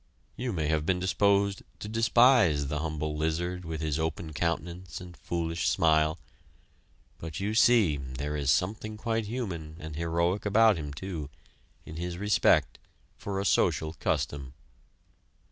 You may have been disposed to despise the humble lizard with his open countenance and foolish smile, but you see there is something quite human and heroic about him, too, in his respect for a social custom.